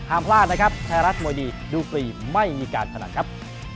ห้ามพลาดนะครับไทยรัฐมวยดีดูฟรีไม่มีการพนันครับ